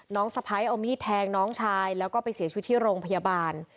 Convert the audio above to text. สะพ้ายเอามีดแทงน้องชายแล้วก็ไปเสียชีวิตที่โรงพยาบาล